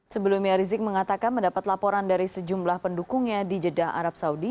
sebelumnya rizik mengatakan mendapat laporan dari sejumlah pendukungnya di jeddah arab saudi